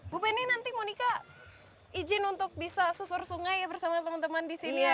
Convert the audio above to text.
bu penny nanti monika izin untuk bisa susur sungai ya bersama teman teman di sini ya